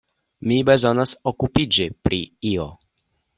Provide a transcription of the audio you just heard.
Mi bezonas okupiĝi pri io.